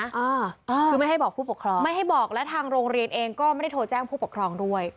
อ่าคือไม่ให้บอกผู้ปกครองไม่ให้บอกและทางโรงเรียนเองก็ไม่ได้โทรแจ้งผู้ปกครองด้วย